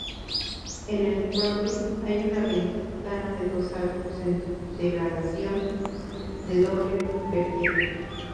En el frontis hay una ventana de dos arcos en degradación de doble vertiente.